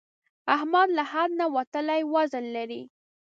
احمد له حد نه وتلی وزن لري.